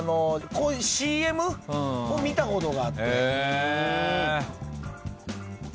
こういうＣＭを見たことがあって。